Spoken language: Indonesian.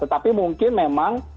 tetapi mungkin memang